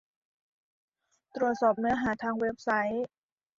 ตรวจสอบเนื้อหาของเว็บไซต์